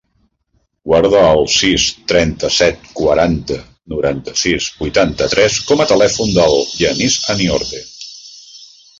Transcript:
Guarda el sis, trenta-set, quaranta, noranta-sis, vuitanta-tres com a telèfon del Yanis Aniorte.